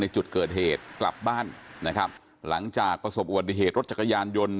จุดเกิดเหตุกลับบ้านนะครับหลังจากประสบอุบัติเหตุรถจักรยานยนต์